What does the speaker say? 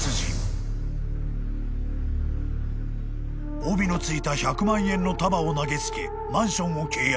［帯の付いた１００万円の束を投げ付けマンションを契約］